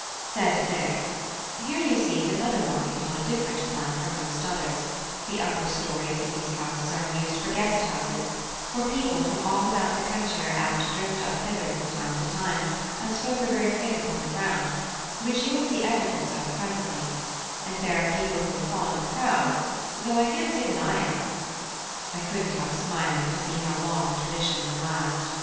Said Dick: "Here, you see, is another market on a different plan from most others: the upper stories of these houses are used for guest houses; for people from all about the country are apt to drift up hither from time to time, as folk are very thick upon the ground, which you will see evidence of presently, and there are people who are fond of crowds, though I can't say that I am." I couldn't help smiling to see how long a tradition would last.